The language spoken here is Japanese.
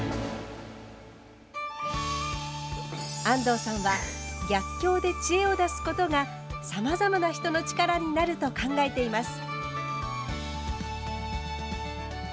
安藤さんは逆境で知恵を出すことがさまざまな人の力になると考えています。